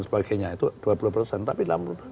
sebagainya itu dua puluh tapi